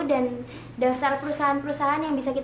dan daftar perusahaan perusahaan yang bisa kita pilih